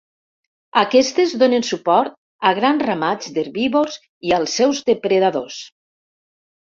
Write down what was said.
Aquests donen suport a grans ramats d'herbívors i als seus depredadors.